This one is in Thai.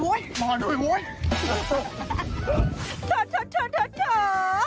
คุณหมอพี่ตัวรอด้วยค่ะรอด้วยค่ะรอด้วยค่ะมาด้วยโหยมาด้วยโหย